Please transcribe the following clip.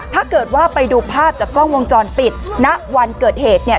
ถ้าเกิดว่าไปดูภาพจากกล้องวงจรปิดณวันเกิดเหตุเนี่ย